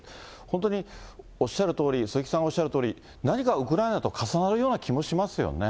本当におっしゃるとおり、鈴木さんがおっしゃるとおり、何かウクライナと重なるような気もしますよね。